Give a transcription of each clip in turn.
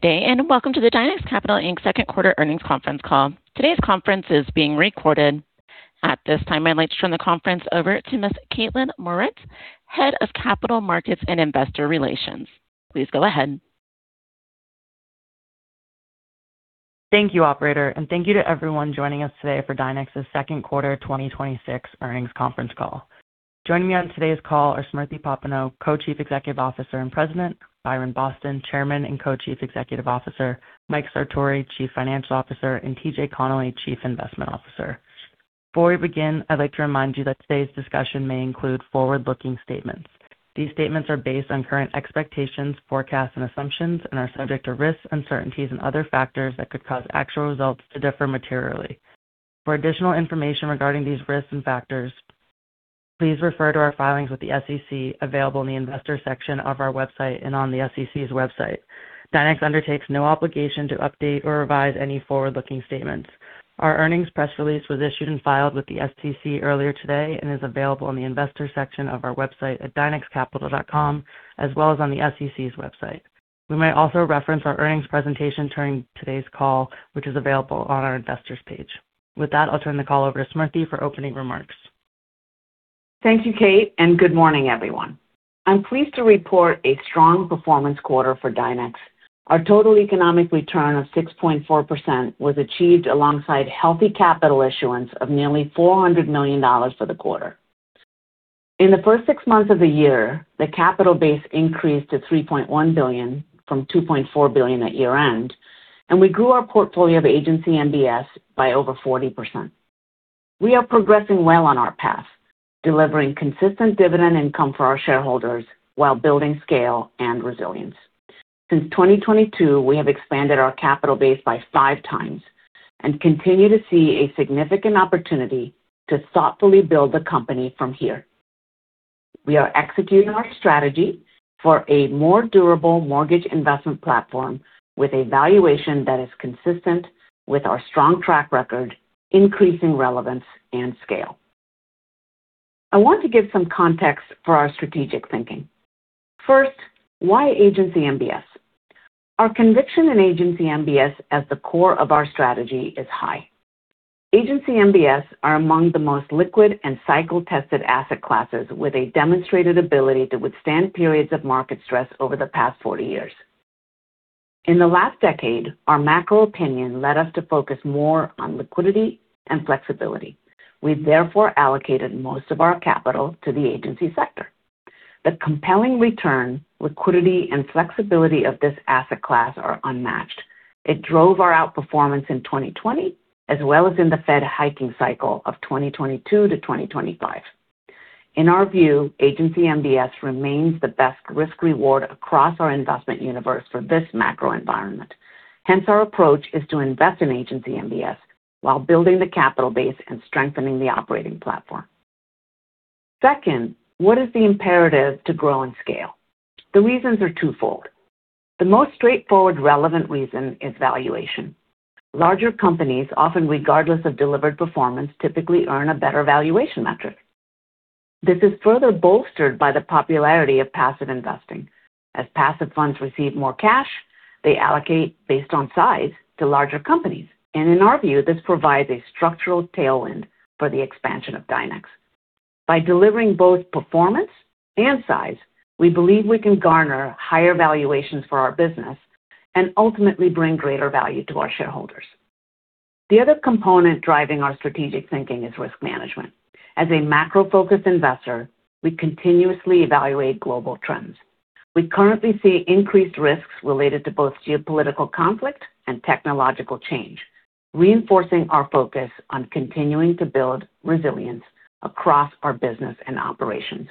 Good Day, and welcome to the Dynex Capital, Inc. second quarter earnings conference call. Today's conference is being recorded. At this time, I'd like to turn the conference over to Ms. Kaitlyn Mauritz, Head of Capital Markets and Investor Relations. Please go ahead. Thank you, operator, and thank you to everyone joining us today for Dynex's second quarter 2026 earnings conference call. Joining me on today's call are Smriti Popenoe, Co-Chief Executive Officer and President, Byron Boston, Chairman and Co-Chief Executive Officer, Mike Sartori, Chief Financial Officer, and T.J. Connelly, Chief Investment Officer. Before we begin, I'd like to remind you that today's discussion may include forward-looking statements. These statements are based on current expectations, forecasts, and assumptions and are subject to risks, uncertainties, and other factors that could cause actual results to differ materially. For additional information regarding these risks and factors, please refer to our filings with the SEC, available in the Investors section of our website and on the SEC's website. Dynex undertakes no obligation to update or revise any forward-looking statements. Our earnings press release was issued and filed with the SEC earlier today and is available in the Investors section of our website at dynexcapital.com, as well as on the SEC's website. We might also reference our earnings presentation during today's call, which is available on our Investors page. With that, I'll turn the call over to Smriti for opening remarks. Thank you, Kait, and good morning, everyone. I'm pleased to report a strong performance quarter for Dynex. Our total economic return of 6.4% was achieved alongside healthy capital issuance of nearly $400 million for the quarter. In the first six months of the year, the capital base increased to $3.1 billion from $2.4 billion at year-end, and we grew our portfolio of Agency MBS by over 40%. We are progressing well on our path, delivering consistent dividend income for our shareholders while building scale and resilience. Since 2022, we have expanded our capital base by five times and continue to see a significant opportunity to thoughtfully build the company from here. We are executing our strategy for a more durable mortgage investment platform with a valuation that is consistent with our strong track record, increasing relevance, and scale. I want to give some context for our strategic thinking. First, why Agency MBS? Our conviction in Agency MBS as the core of our strategy is high. Agency MBS are among the most liquid and cycle-tested asset classes with a demonstrated ability to withstand periods of market stress over the past 40 years. In the last decade, our macro opinion led us to focus more on liquidity and flexibility. We've therefore allocated most of our capital to the agency sector. The compelling return, liquidity, and flexibility of this asset class are unmatched. It drove our outperformance in 2020, as well as in the Fed hiking cycle of 2022-2025. In our view, Agency MBS remains the best risk-reward across our investment universe for this macro environment. Hence, our approach is to invest in Agency MBS while building the capital base and strengthening the operating platform. Second, what is the imperative to grow and scale? The reasons are twofold. The most straightforward, relevant reason is valuation. Larger companies, often regardless of delivered performance, typically earn a better valuation metric. This is further bolstered by the popularity of passive investing. As passive funds receive more cash, they allocate based on size to larger companies. In our view, this provides a structural tailwind for the expansion of Dynex. By delivering both performance and size, we believe we can garner higher valuations for our business and ultimately bring greater value to our shareholders. The other component driving our strategic thinking is risk management. As a macro-focused investor, we continuously evaluate global trends. We currently see increased risks related to both geopolitical conflict and technological change, reinforcing our focus on continuing to build resilience across our business and operations.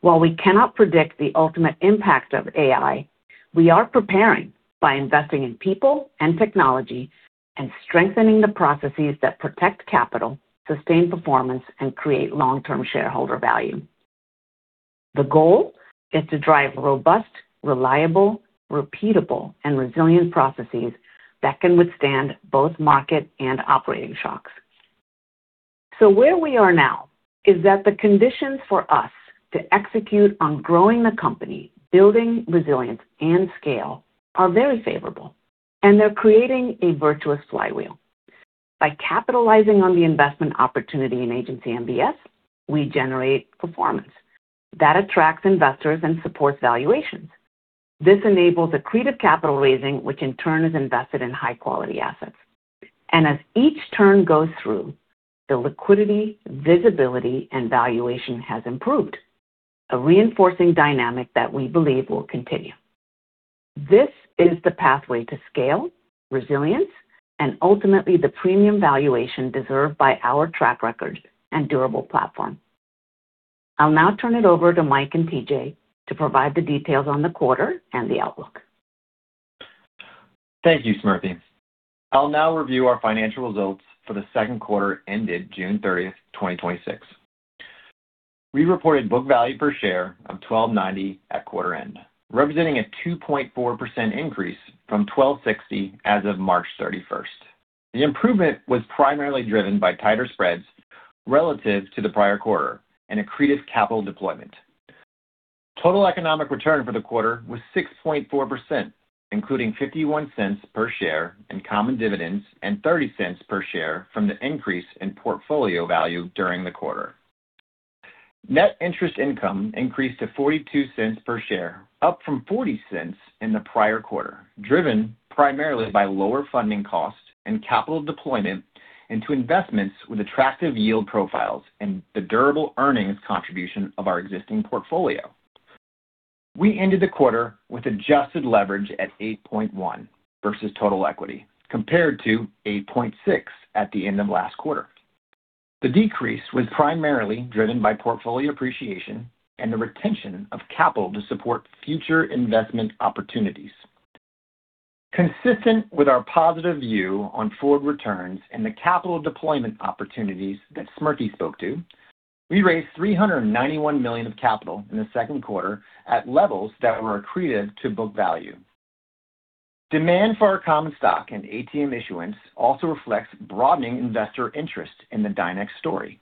While we cannot predict the ultimate impact of AI, we are preparing by investing in people and technology and strengthening the processes that protect capital, sustain performance, and create long-term shareholder value. The goal is to drive robust, reliable, repeatable, and resilient processes that can withstand both market and operating shocks. Where we are now? Is that the conditions for us to execute on growing the company, building resilience and scale are very favorable, and they're creating a virtuous flywheel. By capitalizing on the investment opportunity in Agency MBS, we generate performance that attracts investors and supports valuations. This enables accretive capital raising, which in turn is invested in high-quality assets. As each turn goes through, the liquidity, visibility, and valuation has improved, a reinforcing dynamic that we believe will continue. This is the pathway to scale, resilience, and ultimately the premium valuation deserved by our track record and durable platform. I'll now turn it over to Mike and T.J. to provide the details on the quarter and the outlook. Thank you, Smriti. I'll now review our financial results for the second quarter ended June 30th, 2026. We reported book value per share of $12.90 at quarter end, representing a 2.4% increase from $12.60 as of March 31st. The improvement was primarily driven by tighter spreads relative to the prior quarter and accretive capital deployment Total economic return for the quarter was 6.4%, including $0.51 per share in common dividends and $0.30 per share from the increase in portfolio value during the quarter. Net interest income increased to $0.42 per share, up from $0.40 in the prior quarter, driven primarily by lower funding costs and capital deployment into investments with attractive yield profiles and the durable earnings contribution of our existing portfolio. We ended the quarter with adjusted leverage at 8.1 versus total equity, compared to 8.6 at the end of last quarter. The decrease was primarily driven by portfolio appreciation and the retention of capital to support future investment opportunities. Consistent with our positive view on forward returns and the capital deployment opportunities that Smriti spoke to, we raised $391 million of capital in the second quarter at levels that were accretive to book value. Demand for our common stock and ATM issuance also reflects broadening investor interest in the Dynex story.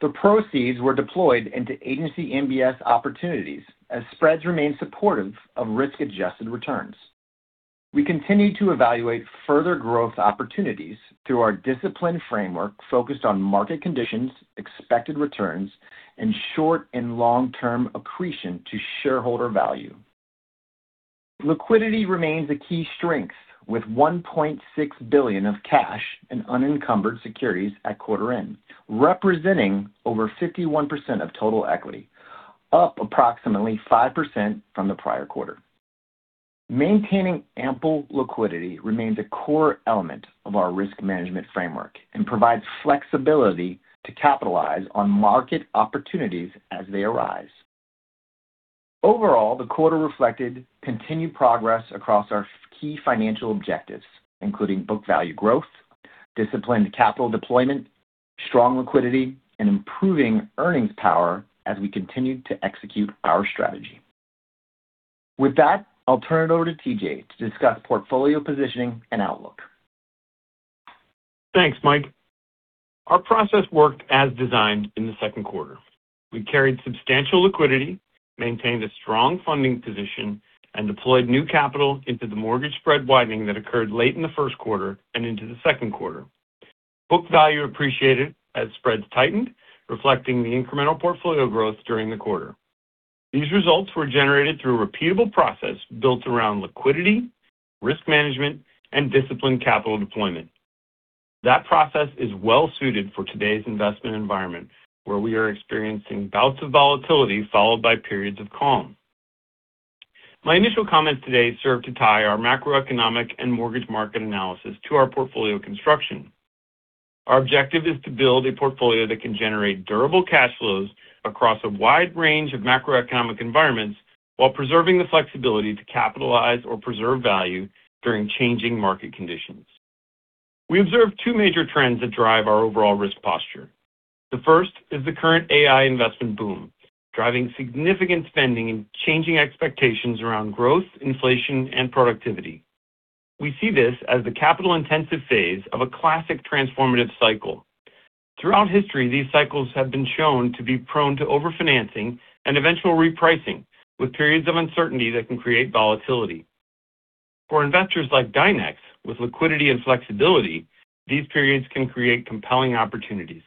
The proceeds were deployed into Agency MBS opportunities as spreads remained supportive of risk-adjusted returns. We continue to evaluate further growth opportunities through our disciplined framework focused on market conditions, expected returns, and short and long-term accretion to shareholder value. Liquidity remains a key strength with $1.6 billion of cash in unencumbered securities at quarter end, representing over 51% of total equity, up approximately 5% from the prior quarter. Maintaining ample liquidity remains a core element of our risk management framework and provides flexibility to capitalize on market opportunities as they arise. Overall, the quarter reflected continued progress across our key financial objectives, including book value growth, disciplined capital deployment, strong liquidity and improving earnings power as we continue to execute our strategy. With that, I'll turn it over to T.J. to discuss portfolio positioning and outlook. Thanks, Mike. Our process worked as designed in the second quarter. We carried substantial liquidity, maintained a strong funding position, and deployed new capital into the mortgage spread widening that occurred late in the first quarter and into the second quarter. Book value appreciated as spreads tightened, reflecting the incremental portfolio growth during the quarter. These results were generated through a repeatable process built around liquidity, risk management, and disciplined capital deployment. That process is well suited for today's investment environment, where we are experiencing bouts of volatility followed by periods of calm. My initial comments today serve to tie our macroeconomic and mortgage market analysis to our portfolio construction. Our objective is to build a portfolio that can generate durable cash flows across a wide range of macroeconomic environments while preserving the flexibility to capitalize or preserve value during changing market conditions. We observe two major trends that drive our overall risk posture. The first is the current AI investment boom, driving significant spending and changing expectations around growth, inflation, and productivity. We see this as the capital-intensive phase of a classic transformative cycle. Throughout history, these cycles have been shown to be prone to over-financing and eventual repricing, with periods of uncertainty that can create volatility. For investors like Dynex with liquidity and flexibility, these periods can create compelling opportunities.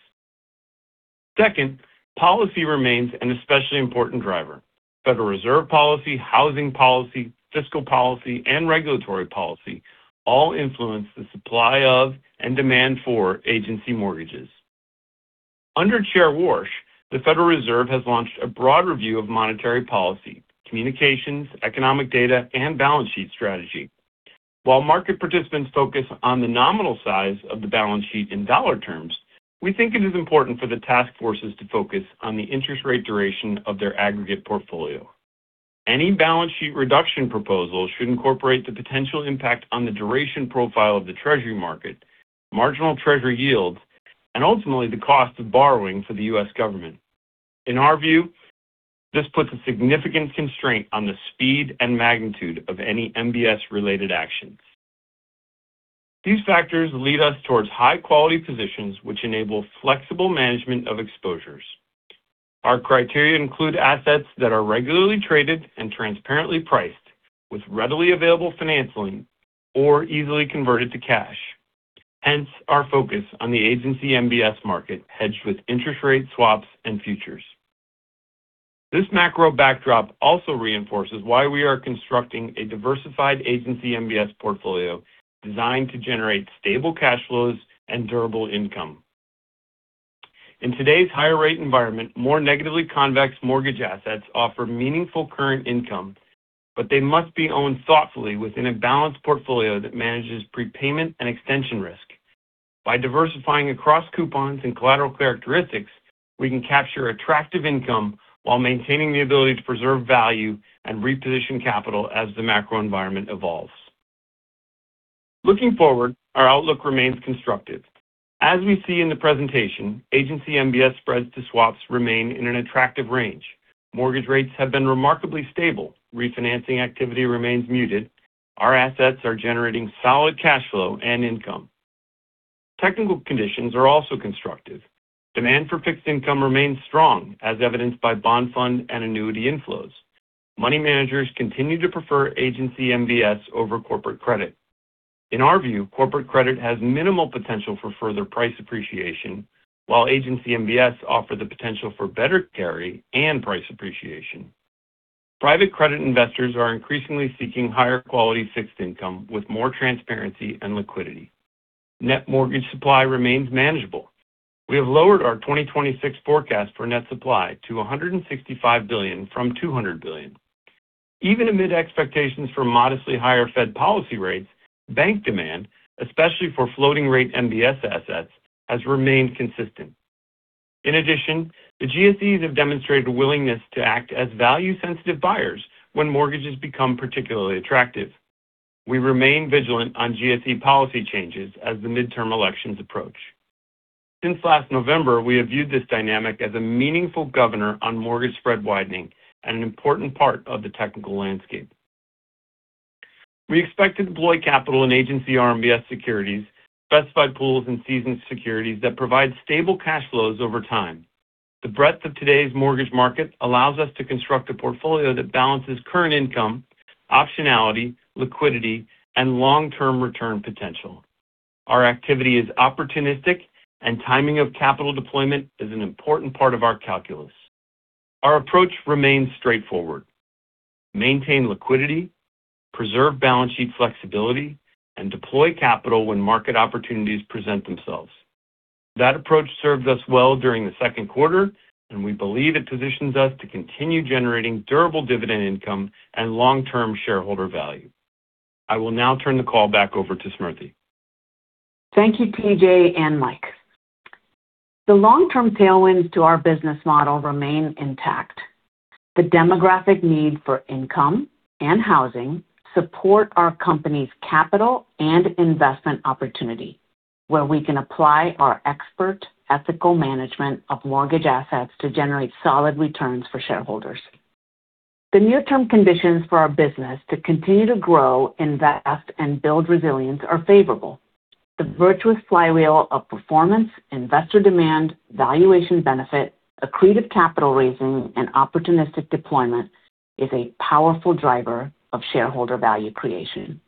Second, policy remains an especially important driver. Federal Reserve policy, housing policy, fiscal policy, and regulatory policy all influence the supply of and demand for Agency mortgages. Under Chair Warsh, the Federal Reserve has launched a broad review of monetary policy, communications, economic data, and balance sheet strategy. While market participants focus on the nominal size of the balance sheet in dollar terms, we think it is important for the task forces to focus on the interest rate duration of their aggregate portfolio. Any balance sheet reduction proposal should incorporate the potential impact on the duration profile of the Treasury market, marginal Treasury yields, and ultimately the cost of borrowing for the U.S. government. In our view, this puts a significant constraint on the speed and magnitude of any MBS-related actions. These factors lead us towards high-quality positions which enable flexible management of exposures. Our criteria include assets that are regularly traded and transparently priced with readily available financing or easily converted to cash. Hence our focus on the Agency MBS market hedged with interest rate swaps and futures. This macro backdrop also reinforces why we are constructing a diversified Agency MBS portfolio designed to generate stable cash flows and durable income. In today's higher rate environment, more negatively convex mortgage assets offer meaningful current income, but they must be owned thoughtfully within a balanced portfolio that manages prepayment and extension risk. By diversifying across coupons and collateral characteristics, we can capture attractive income while maintaining the ability to preserve value and reposition capital as the macro environment evolves. Looking forward, our outlook remains constructive. As we see in the presentation, Agency MBS spreads to swaps remain in an attractive range. Mortgage rates have been remarkably stable. Refinancing activity remains muted. Our assets are generating solid cash flow and income. Technical conditions are also constructive. Demand for fixed income remains strong, as evidenced by bond fund and annuity inflows. Money managers continue to prefer Agency MBS over corporate credit. In our view, corporate credit has minimal potential for further price appreciation, while Agency MBS offer the potential for better carry and price appreciation. Private credit investors are increasingly seeking higher quality fixed income with more transparency and liquidity. Net mortgage supply remains manageable. We have lowered our 2026 forecast for net supply to $165 billion from $200 billion. Even amid expectations for modestly higher Fed policy rates, bank demand, especially for floating rate MBS assets, has remained consistent. In addition, the GSEs have demonstrated a willingness to act as value-sensitive buyers when mortgages become particularly attractive. We remain vigilant on GSE policy changes as the midterm elections approach. Since last November, we have viewed this dynamic as a meaningful governor on mortgage spread widening and an important part of the technical landscape. We expect to deploy capital in Agency RMBS securities, specified pools and seasoned securities that provide stable cash flows over time. The breadth of today's mortgage market allows us to construct a portfolio that balances current income, optionality, liquidity, and long-term return potential. Our activity is opportunistic, and timing of capital deployment is an important part of our calculus. Our approach remains straightforward: maintain liquidity, preserve balance sheet flexibility, and deploy capital when market opportunities present themselves. That approach served us well during the second quarter, and we believe it positions us to continue generating durable dividend income and long-term shareholder value. I will now turn the call back over to Smriti. Thank you, T.J. and Mike. The long-term tailwinds to our business model remain intact. The demographic need for income and housing support our company's capital and investment opportunity, where we can apply our expert ethical management of mortgage assets to generate solid returns for shareholders. The near-term conditions for our business to continue to grow, invest, and build resilience are favorable. The virtuous flywheel of performance, investor demand, valuation benefit, accretive capital raising, and opportunistic deployment is a powerful driver of shareholder value creation.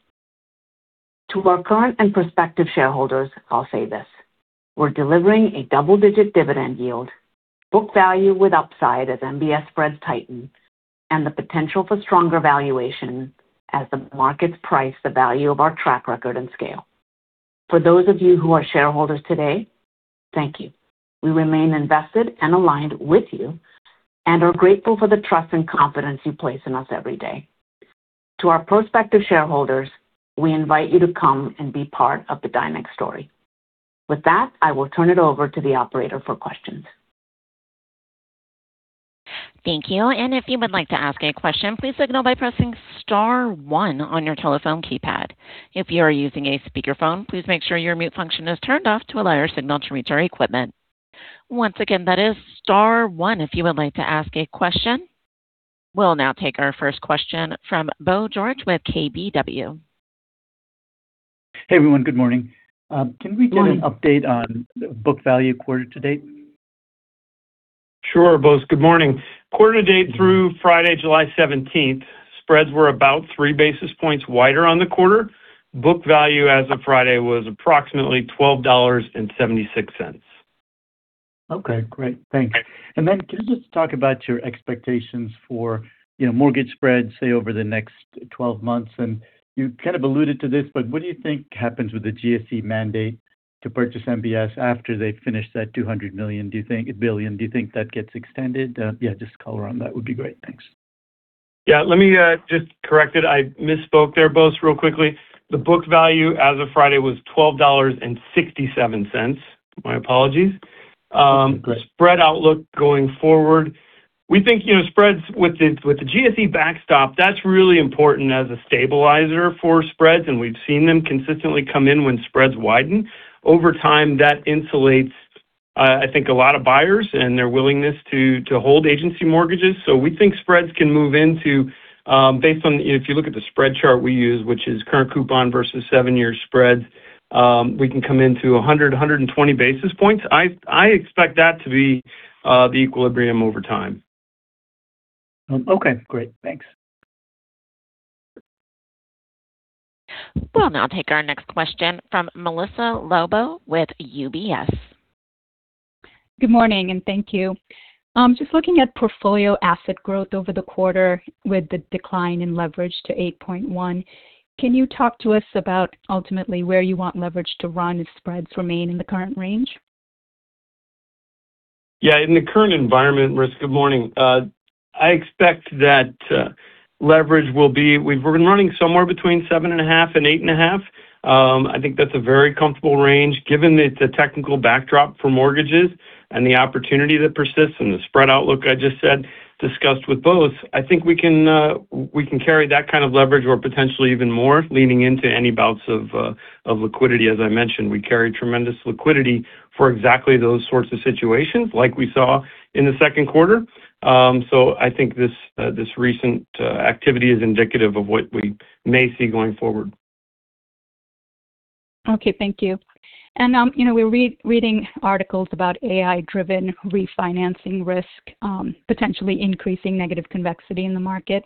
To our current and prospective shareholders, I'll say this: we're delivering a double-digit dividend yield, book value with upside as MBS spreads tighten, and the potential for stronger valuation as the markets price the value of our track record and scale. For those of you who are shareholders today, thank you. We remain invested and aligned with you and are grateful for the trust and confidence you place in us every day. To our prospective shareholders, we invite you to come and be part of the Dynex story. With that, I will turn it over to the operator for questions. Thank you. If you would like to ask a question, please signal by pressing star one on your telephone keypad. If you are using a speakerphone, please make sure your mute function is turned off to allow your signal to reach our equipment. Once again, that is star one if you would like to ask a question. We'll now take our first question from Bose George with KBW. Hey, everyone. Good morning. Good morning. Can we get an update on book value quarter to date? Sure, Bose. Good morning. Quarter to date through Friday, July 17th, spreads were about 3 basis points wider on the quarter. Book value as of Friday was approximately $12.76. Okay, great. Thanks. Then can you just talk about your expectations for mortgage spreads, say, over the next 12 months? You kind of alluded to this, but what do you think happens with the GSE mandate to purchase MBS after they finish that $200 billion? Do you think that gets extended? Just color on that would be great. Thanks. Let me just correct it. I misspoke there, Bose, real quickly. The book value as of Friday was $12.67. My apologies. Great. Spread outlook going forward, we think spreads with the GSE backstop, that's really important as a stabilizer for spreads. We've seen them consistently come in when spreads widen. Over time, that insulates, I think, a lot of buyers and their willingness to hold agency mortgages. We think spreads can move into-- If you look at the spread chart we use, which is current coupon versus seven-year spreads, we can come into 100, 120 basis points. I expect that to be the equilibrium over time. Okay, great. Thanks. We'll now take our next question from Marissa Lobo with UBS. Good morning. Thank you. Just looking at portfolio asset growth over the quarter with the decline in leverage to 8.1. Can you talk to us about ultimately where you want leverage to run if spreads remain in the current range? Yeah. In the current environment, Riss, good morning. I expect that leverage will be running somewhere between 7.5-8.5. I think that's a very comfortable range given the technical backdrop for mortgages and the opportunity that persists and the spread outlook I just said, discussed with Bose. I think we can carry that kind of leverage or potentially even more leaning into any bouts of liquidity. As I mentioned, we carry tremendous liquidity for exactly those sorts of situations like we saw in the second quarter. I think this recent activity is indicative of what we may see going forward. Okay, thank you. We're reading articles about AI-driven refinancing risk potentially increasing negative convexity in the market.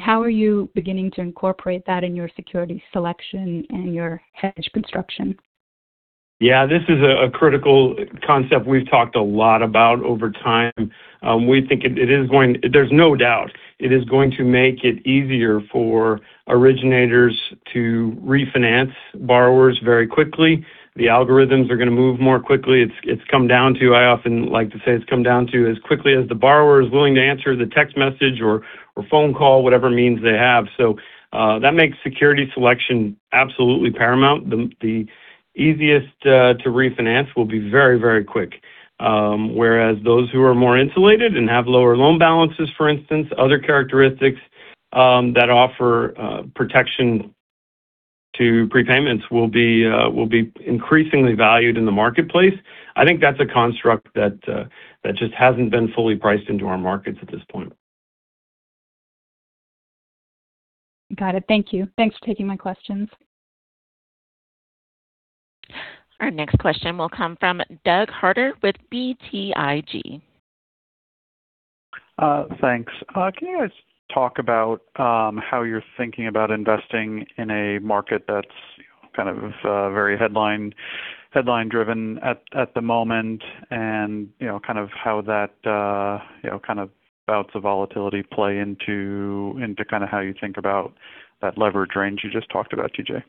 How are you beginning to incorporate that in your security selection and your hedge construction? Yeah, this is a critical concept we've talked a lot about over time. There's no doubt it is going to make it easier for originators to refinance borrowers very quickly. The algorithms are going to move more quickly. I often like to say it's come down to as quickly as the borrower is willing to answer the text message or phone call, whatever means they have. That makes security selection absolutely paramount. The easiest to refinance will be very quick. Whereas those who are more insulated and have lower loan balances, for instance, other characteristics that offer protection to prepayments will be increasingly valued in the marketplace. I think that's a construct that just hasn't been fully priced into our markets at this point. Got it. Thank you. Thanks for taking my questions. Our next question will come from Doug Harter with BTIG. Thanks. Can you guys talk about how you're thinking about investing in a market that's kind of very headline-driven at the moment, and how that kind of bouts of volatility play into how you think about that leverage range you just talked about, T.J.?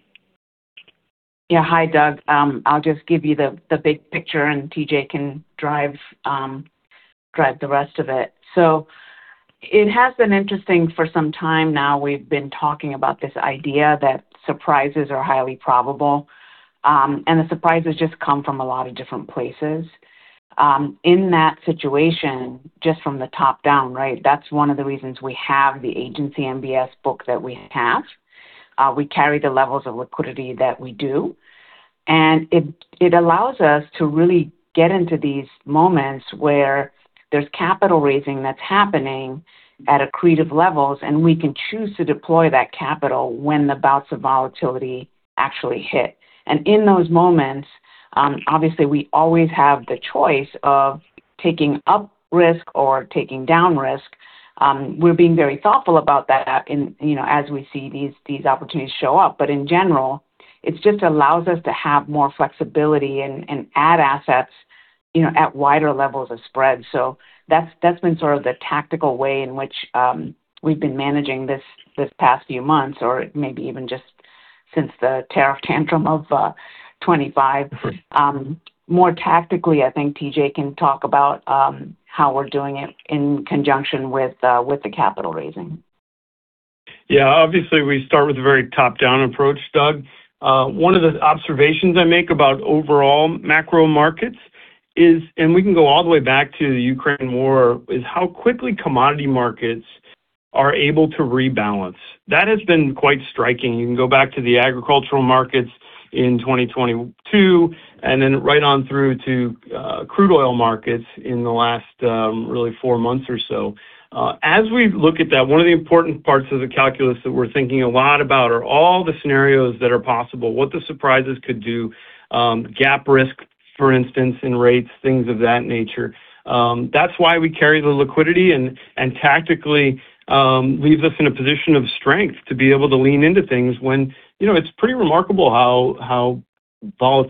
Yeah. Hi, Doug. I'll just give you the big picture, and T.J. can drive the rest of it. It has been interesting for some time now, we've been talking about this idea that surprises are highly probable. The surprises just come from a lot of different places. In that situation, just from the top down, that's one of the reasons we have the Agency MBS book that we have. We carry the levels of liquidity that we do. It allows us to really get into these moments where there's capital raising that's happening at accretive levels, and we can choose to deploy that capital when the bouts of volatility actually hit. In those moments, obviously we always have the choice of taking up risk or taking down risk. We're being very thoughtful about that as we see these opportunities show up. In general, it just allows us to have more flexibility and add assets at wider levels of spread. That's been sort of the tactical way in which we've been managing this past few month, or maybe even just since the tariff tantrum of 2025. More tactically, I think T.J. can talk about how we're doing it in conjunction with the capital raising. Yeah. Obviously, we start with a very top-down approach, Doug. One of the observations I make about overall macro markets is, and we can go all the way back to the Ukraine war, is how quickly commodity markets are able to rebalance. That has been quite striking. You can go back to the agricultural markets in 2022, and then right on through to crude oil markets in the last really four months or so. As we look at that, one of the important parts of the calculus that we're thinking a lot about are all the scenarios that are possible, what the surprises could do, gap risk, for instance, in rates, things of that nature. That's why we carry the liquidity and tactically leaves us in a position of strength to be able to lean into things when it's pretty remarkable how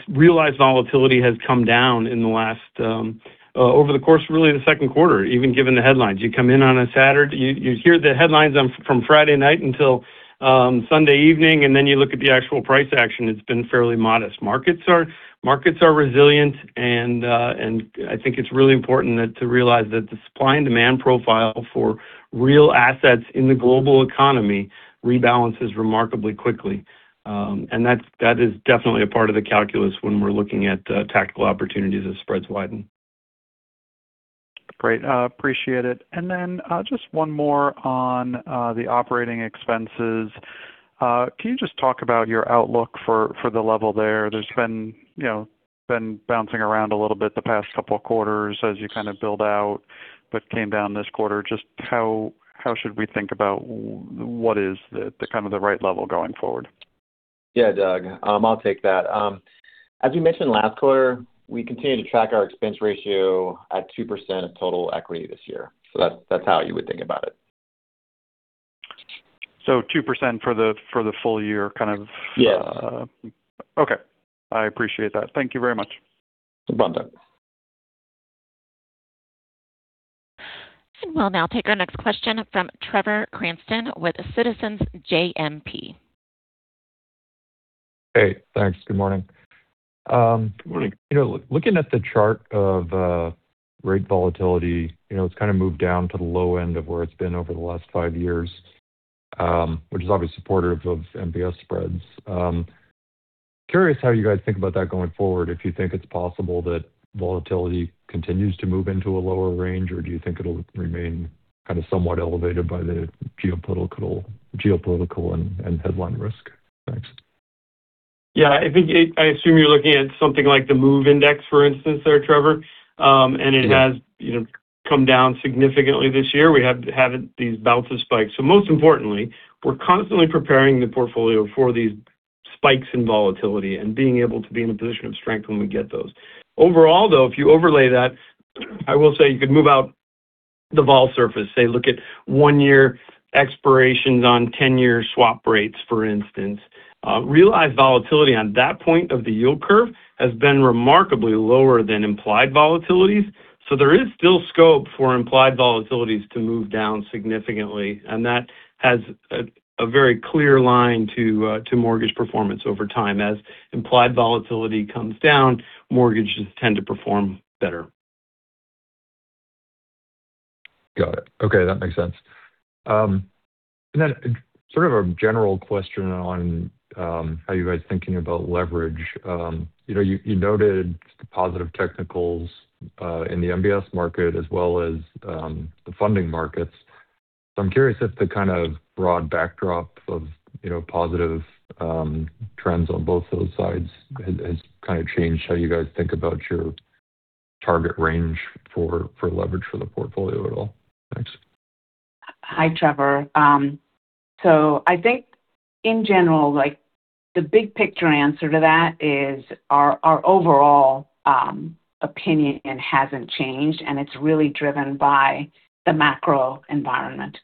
realized volatility has come down over the course of really the second quarter, even given the headlines. You hear the headlines from Friday night until Sunday evening, and then you look at the actual price action, it's been fairly modest. Markets are resilient, and I think it's really important to realize that the supply and demand profile for real assets in the global economy rebalances remarkably quickly. That is definitely a part of the calculus when we're looking at tactical opportunities as spreads widen. Great. Appreciate it. Then just one more on the operating expenses. Can you just talk about your outlook for the level there? It's been bouncing around a little bit the past couple of quarters as you kind of build out, but came down this quarter. Just how should we think about what is the kind of the right level going forward? Yeah, Doug. I'll take that. As we mentioned last quarter, we continue to track our expense ratio at 2% of total equity this year. That's how you would think about it. 2% for the full year. Yeah. Okay. I appreciate that. Thank you very much. No problem, Doug. We'll now take our next question from Trevor Cranston with Citizens JMP. Hey, thanks. Good morning. Good morning. Looking at the chart of rate volatility, it's kind of moved down to the low end of where it's been over the last five years, which is obviously supportive of MBS spreads. Curious how you guys think about that going forward, if you think it's possible that volatility continues to move into a lower range or do you think it'll remain kind of somewhat elevated by the geopolitical and headline risk? Thanks. Yeah, I assume you're looking at something like the MOVE Index, for instance there, Trevor. It has come down significantly this year. We have had these bouncing spikes. Most importantly, we're constantly preparing the portfolio for spikes in volatility and being able to be in a position of strength when we get those. Overall, though, if you overlay that, I will say you could move out the vol surface, say look at one-year expirations on 10-year swap rates, for instance. Realized volatility on that point of the yield curve has been remarkably lower than implied volatilities. There is still scope for implied volatilities to move down significantly, and that has a very clear line to mortgage performance over time. As implied volatility comes down, mortgages tend to perform better. Got it. Okay, that makes sense. Then sort of a general question on how you guys are thinking about leverage. You noted the positive technicals in the MBS market as well as the funding markets. I'm curious if the kind of broad backdrop of positive trends on both those sides has changed how you guys think about your target range for leverage for the portfolio at all? Thanks. Hi, Trevor. I think in general, the big picture answer to that is our overall opinion hasn't changed, and it's really driven by the macro environment.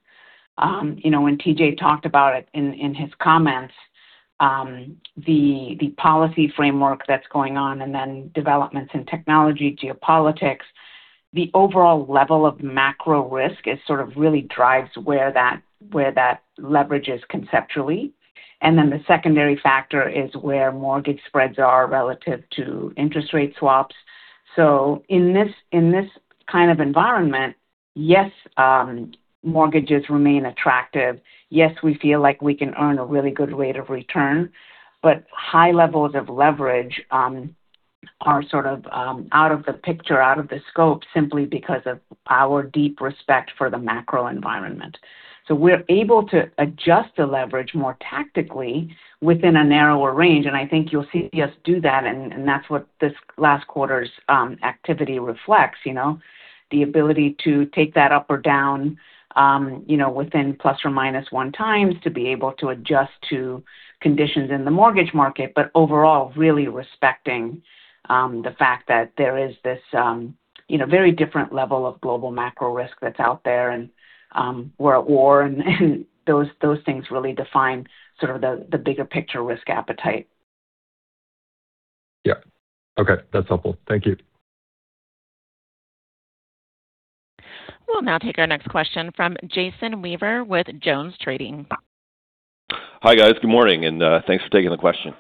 When T.J. talked about it in his comments, the policy framework that's going on, developments in technology, geopolitics, the overall level of macro risk, it sort of really drives where that leverage is conceptually. The secondary factor is where mortgage spreads are relative to interest rate swaps. In this kind of environment, yes, mortgages remain attractive. Yes, we feel like we can earn a really good rate of return, but high levels of leverage are sort of out of the picture, out of the scope, simply because of our deep respect for the macro environment. We're able to adjust the leverage more tactically within a narrower range, I think you'll see us do that's what this last quarter's activity reflects. The ability to take that up or down within ±1 times, to be able to adjust to conditions in the mortgage market. Overall, really respecting the fact that there is this very different level of global macro risk that's out there, we're at war, those things really define sort of the bigger picture risk appetite. Yeah. Okay. That's helpful. Thank you. We'll now take our next question from Jason Weaver with JonesTrading. Hi, guys. Good morning, and thanks for taking the question.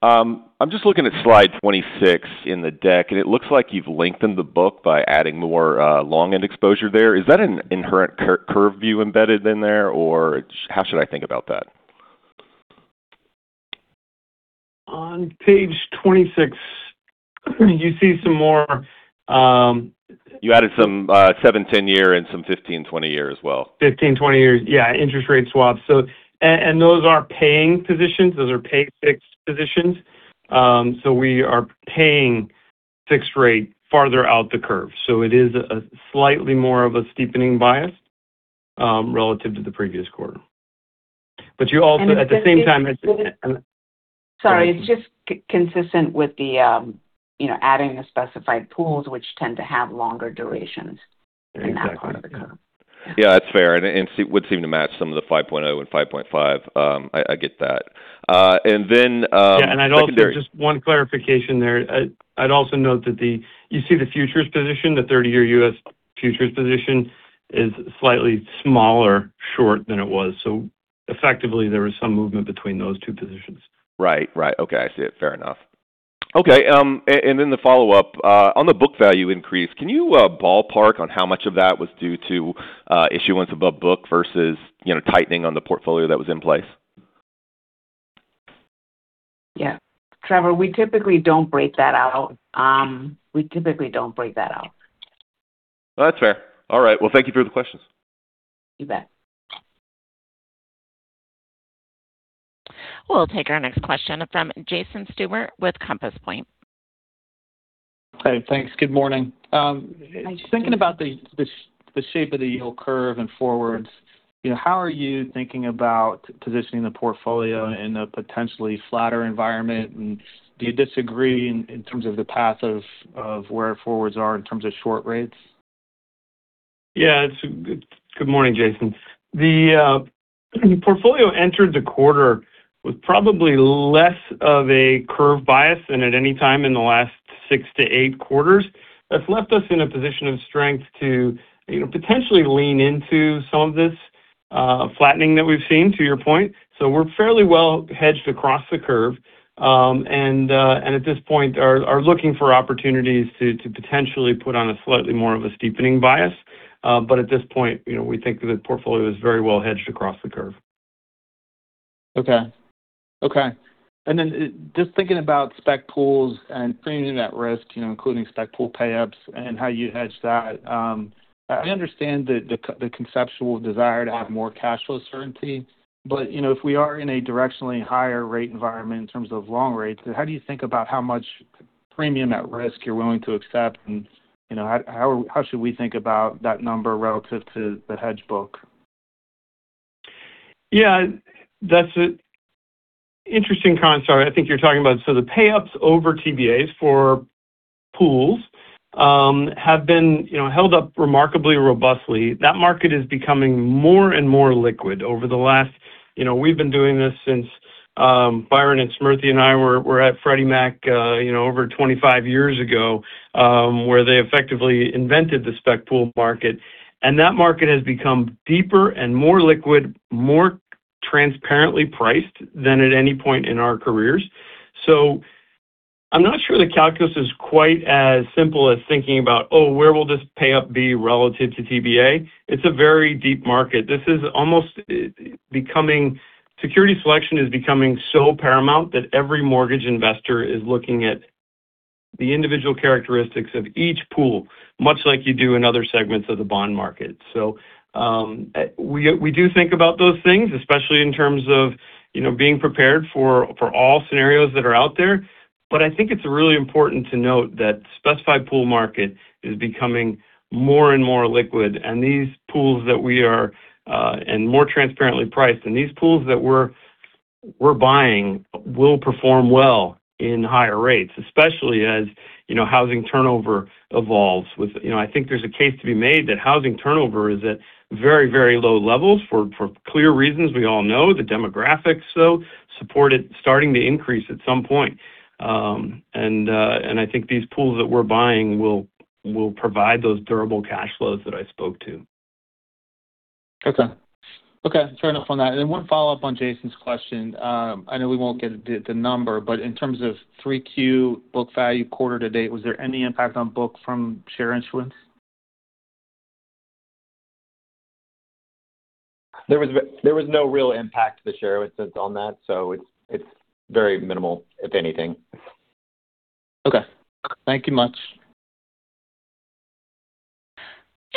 I'm just looking at slide 26 in the deck, and it looks like you've lengthened the book by adding more long end exposure there. Is that an inherent curve view embedded in there, or how should I think about that? On page 26, you see some more- You added some 7, 10-year and some 15, 20-year as well. 15, 20-years, yeah, interest rate swaps. Those are paying positions. Those are pay fixed positions. We are paying fixed rate farther out the curve. It is slightly more of a steepening bias relative to the previous quarter. You also at the same time- Sorry, it's just consistent with the adding the specified pools, which tend to have longer durations. Exactly, yeah. in that part of the curve. Yeah, that's fair, would seem to match some of the 5.0 and 5.5. I get that. Then. Yeah, I'd also, just one clarification there. I'd also note that you see the futures position, the 30-year U.S. futures position is slightly smaller short than it was. Effectively, there was some movement between those two positions. Right. Okay. I see it. Fair enough. Okay, the follow-up. On the book value increase, can you ballpark on how much of that was due to issuance above book versus tightening on the portfolio that was in place? Yeah. Trevor, we typically don't break that out. We typically don't break that out. That's fair. All right. Well, thank you for the questions. You bet. We'll take our next question from Jason Stewart with Compass Point. Hi, thanks. Good morning. Hi, Jason. Thinking about the shape of the yield curve and forwards, how are you thinking about positioning the portfolio in a potentially flatter environment, and do you disagree in terms of the path of where forwards are in terms of short rates? Yeah. Good morning, Jason. The portfolio entered the quarter with probably less of a curve bias than at any time in the last six to eight quarters. That's left us in a position of strength to potentially lean into some of this flattening that we've seen, to your point. We're fairly well hedged across the curve. At this point, are looking for opportunities to potentially put on a slightly more of a steepening bias. At this point, we think that the portfolio is very well hedged across the curve. Okay. Just thinking about spec pools and framing that risk, including spec pool payups and how you hedge that. I understand the conceptual desire to have more cash flow certainty. If we are in a directionally higher rate environment in terms of long rates, how do you think about how much premium at risk you're willing to accept and how should we think about that number relative to the hedge book? Yeah. That's an interesting comment. Sorry. I think you're talking about. The payups over TBAs for pools have been held up remarkably robustly. That market is becoming more and more liquid. We've been doing this since Byron and Smriti and I were at Freddie Mac over 25 years ago, where they effectively invented the spec pool market. That market has become deeper and more liquid, more transparently priced than at any point in our careers. I'm not sure the calculus is quite as simple as thinking about, oh, where will this payup be relative to TBA? It's a very deep market. Security selection is becoming so paramount that every mortgage investor is looking at the individual characteristics of each pool, much like you do in other segments of the bond market. We do think about those things, especially in terms of being prepared for all scenarios that are out there. I think it's really important to note that specified pool market is becoming more and more liquid, and more transparently priced. These pools that we're buying will perform well in higher rates, especially as housing turnover evolves with I think there's a case to be made that housing turnover is at very low levels for clear reasons we all know. The demographics, though, support it starting to increase at some point. I think these pools that we're buying will provide those durable cash flows that I spoke to. Okay. Fair enough on that. One follow-up on Jason's question. I know we won't get the number, but in terms of 3Q book value quarter to date, was there any impact on book from share issuance? There was no real impact to the share on that, so it's very minimal, if anything. Okay. Thank you much.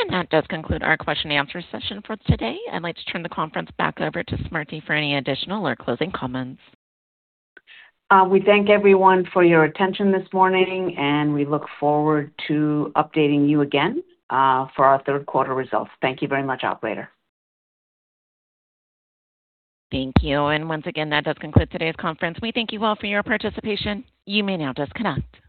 That does conclude our question and answer session for today. I'd like to turn the conference back over to Smriti for any additional or closing comments. We thank everyone for your attention this morning, and we look forward to updating you again for our third quarter results. Thank you very much. Operator. Thank you. Once again, that does conclude today's conference. We thank you all for your participation. You may now disconnect.